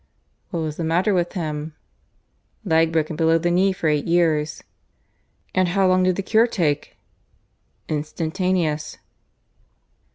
"What was the matter with him?" "Leg broken below the knee for eight years." "And how long did the cure take?" "Instantaneous."